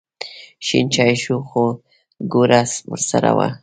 شین چای شو خو ګوړه ورسره وه.